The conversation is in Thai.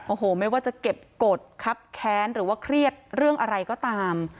โอ้โหไม่ว่าจะเก็บกฎครับแค้นหรือว่าเครียดเรื่องอะไรก็ตาม